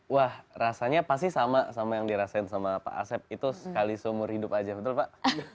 wah rasanya pasti sama sama yang dirasain sama pak asep itu sekali seumur hidup aja betul pak